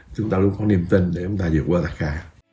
chúng ta luôn có niềm tin để chúng ta vượt qua tạc hạ